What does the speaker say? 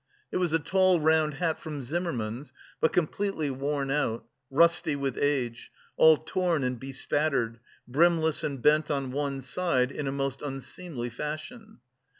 It was a tall round hat from Zimmerman's, but completely worn out, rusty with age, all torn and bespattered, brimless and bent on one side in a most unseemly fashion.